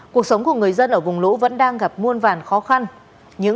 cuộc sống của người dân ở vùng lũ vẫn đang gặp muôn vàn khó khăn